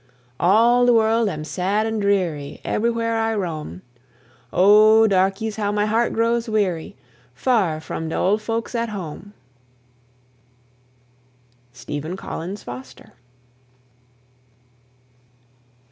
All de world am sad and dreary, Eberywhere I roam; Oh, darkeys, how my heart grows weary, Far from de old folks at home! STEPHEN COLLINS FOSTER.